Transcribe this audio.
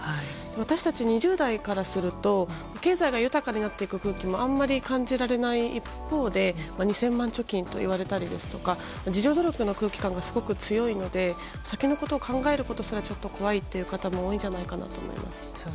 私たち２０代からすると経済が豊かになっていっている空気をあまり感じられない一方で２０００万貯金といわれたり自助努力の空気感がすごく強いので、先のことを考えることすら怖いという方も多いんじゃないかと思います。